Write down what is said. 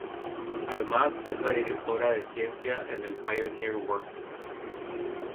Además, es la Directora de ciencia en el Pioneer Works.